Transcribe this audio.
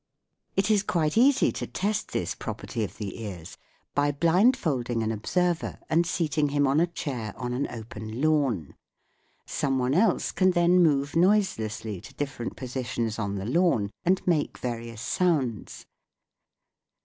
It is quite easy to test this property of the 156 THE WORLD OF SOUND ears by blindfolding an observer and seating him on a chair on an open lawn ; some one else can then move noiselessly to different positions on the lawn and make various sounds.